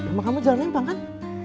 sama kamu jalan lembang kan